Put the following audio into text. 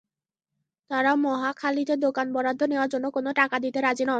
তাঁরা মহাখালীতে দোকান বরাদ্দ নেওয়ার জন্য কোনো টাকা দিতে রাজি নন।